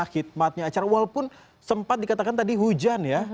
hikmatnya acara walaupun sempat dikatakan tadi hujan ya